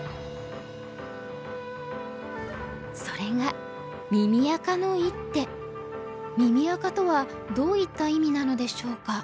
それが「耳赤」とはどういった意味なのでしょうか。